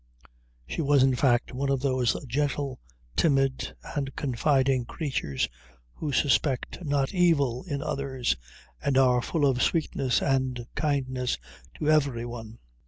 She was, in fact, one of those gentle, timid, and confiding creatures who suspect not evil in others, and are full of sweetness and kindness to every one.